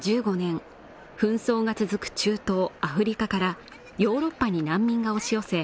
２０１５年、紛争が続く中東、アフリカからヨーロッパに難民が押し寄せ